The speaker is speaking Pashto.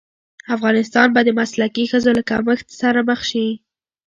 افغانستان به د مسلکي ښځو له کمښت سره مخ شي.